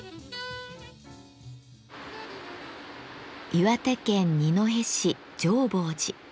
岩手県二戸市浄法寺。